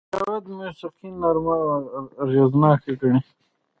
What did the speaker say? جاوید موسیقي نرمه او اغېزناکه ګڼي